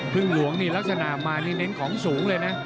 หลวงนี่ลักษณะมานี่เน้นของสูงเลยนะ